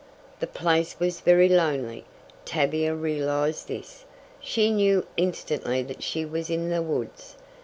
The place was very lonely. Tavia realized this. She knew instantly that she was in the woods.